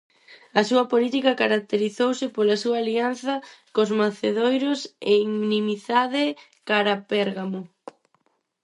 A súa política caracterizouse pola súa alianza cos macedonios e inimizade cara Pérgamo.